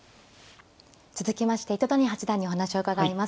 続きまして糸谷八段にお話を伺います。